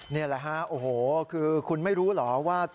นี่แหละฮะโอ้โหคือคุณไม่รู้เหรอว่า